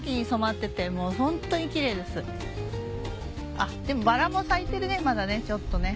あっでもバラも咲いてるねまだねちょっとね。